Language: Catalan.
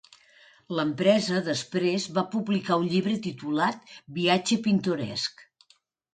L'empresa després va publicar un llibre titulat "Viatge pintoresc".